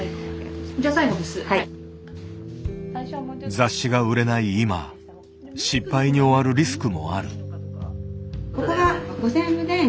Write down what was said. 雑誌が売れない今失敗に終わるリスクもある。